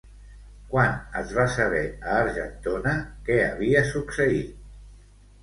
Quan es va saber a Argentona què havia succeït?